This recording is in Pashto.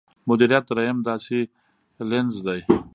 مديريت درېيم داسې لينز دی.